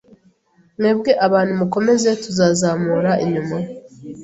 Mwebwe abantu mukomeze. Tuzazamura inyuma